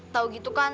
tau gitu kan